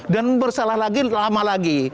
dan bersalah lagi lama lagi